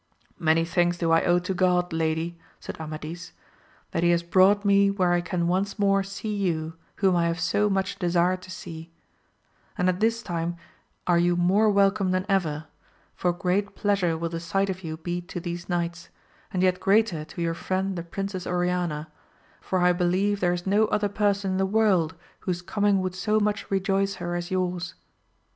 Many thanks do I owe to God, lady, said Amadis, that he has brought me where I can once more see yon whom I have so much AMADIS OF GAUL. 129 desired to see ; and at this time are you more welcome than ever, for great pleasure will the sight of you be to these knights, and yet greater to your Mend the Princess Oriana, for I beUeve there is no other person in the world whose coming would so much rejoice her as yours.